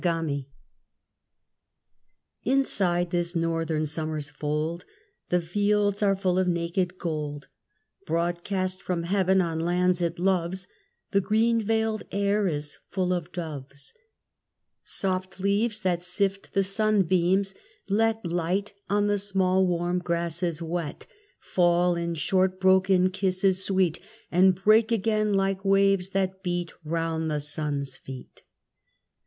SIENA INSIDE this northern summer's fold The fields are full of naked gold, Broadcast from heaven on lands it loves; The green veiled air is full of doves; Soft leaves that sift the sunbeams let Light on the small warm grasses wet Fall in short broken kisses sweet, And break again like waves that beat Round the sun's feet.